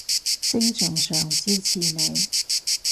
精神上支持你